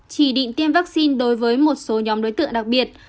chỉ định tiêm vaccine đối với một số nhóm đối tượng đặc biệt